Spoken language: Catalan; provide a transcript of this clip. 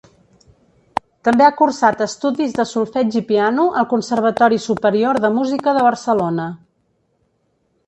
També ha cursat estudis de solfeig i piano al Conservatori Superior de Música de Barcelona.